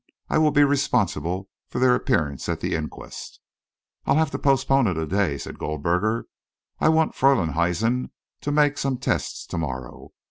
"I will be responsible for their appearance at the inquest." "I'll have to postpone it a day," said Goldberger. "I want Freylinghuisen to make some tests to morrow.